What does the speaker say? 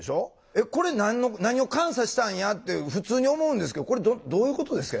えっこれ何を監査したんやって普通に思うんですけどこれどういうことですか？